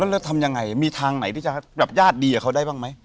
แล้วทำยังไงมีทางไหนที่จะแบบญาติดีกับเขาได้บ้างไหม